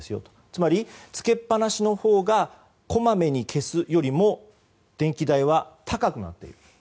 つまりつけっぱなしのほうがこまめに消すより電気代が高い。